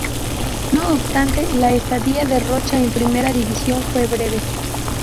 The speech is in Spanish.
No obstante, la estadía de Rocha en Primera División fue breve.